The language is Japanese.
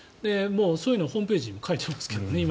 もうそういうのはホームページにもいまだに書いてありますけどね。